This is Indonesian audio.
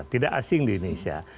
tidak asing di indonesia